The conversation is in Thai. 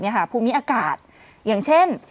ที่มีอากาศอย่างเช่น